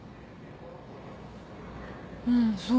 うんそう。